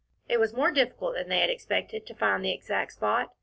It was more difficult than they had expected to find the exact spot.